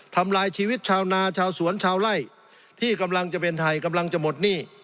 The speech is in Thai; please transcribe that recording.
ทำลายชีวิตชาวนาชาวสวนชาวไล่ที่กำลังจะเป็นไทยกำลังจะหมดหนี้